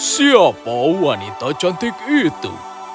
siapa wanita cantik itu